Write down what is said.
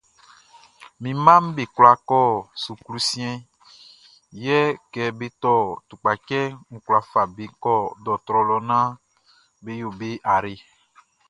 Mi mmaʼm be kwla kɔ suklu siɛnʼn, yɛ kɛ be tɔ tukpacɛʼn, n kwla fa be kɔ dɔɔtrɔ lɔ naan be yo be ayre.